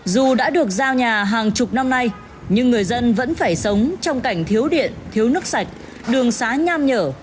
dù đã được giao nhà hàng chục năm nay nhưng người dân vẫn phải sống trong cảnh thiếu điện thiếu nước sạch đường xá nham nhở